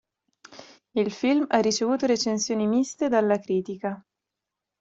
Il film ha ricevuto recensioni miste dalla critica.